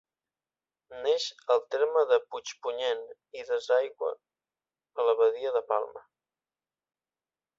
Neix al terme de Puigpunyent i desaigua a la badia de Palma.